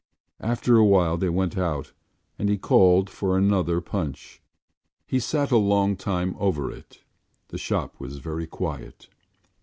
After a while they went out and he called for another punch. He sat a long time over it. The shop was very quiet.